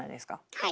はい。